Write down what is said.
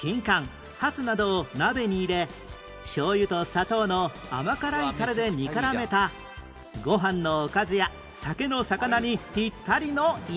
ハツなどを鍋に入れしょうゆと砂糖の甘辛いタレで煮からめたご飯のおかずや酒のさかなにピッタリの逸品